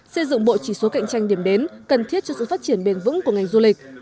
xây dựng bộ chỉ số cạnh tranh điểm đến cần thiết cho sự phát triển bền vững của ngành du lịch